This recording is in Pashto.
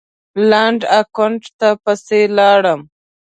لنډ اکاونټ ته پسې لاړم